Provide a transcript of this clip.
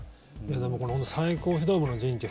でもこの最高指導部の人事